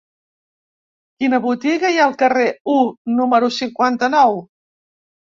Quina botiga hi ha al carrer U número cinquanta-nou?